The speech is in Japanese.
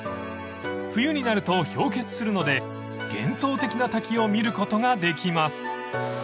［冬になると氷結するので幻想的な滝を見ることができます］